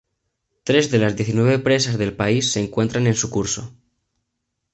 Tres de las diecinueve presas del país se encuentran en su curso.